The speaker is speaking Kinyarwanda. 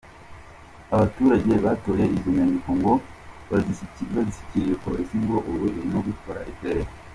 Abaturage batoye izo nyandiko ngo bazishyikirije polisi ngo ubu irimo gukora iperereza.